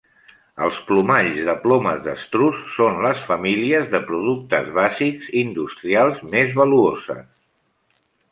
Els plomalls de plomes d'estruç són les famílies de productes bàsics industrials més valuoses.